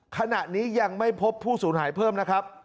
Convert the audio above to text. ขณะนี้ยังไม่พบผู้สูญหายเพิ่มนะครับ